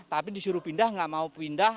tapi disuruh pindah nggak mau pindah